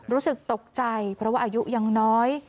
รู้สึกตกใจเพราะว่าอายุยังน้อย